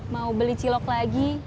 mau beli cilok lagi